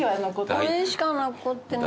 これしか残ってないよ。